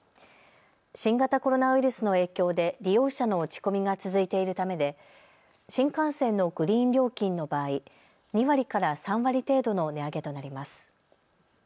新型コロナウイルスの影響で利用者の落ち込みが続いているためで新幹線のグリーン料金の場合、２割から３割程度の値上げとなります。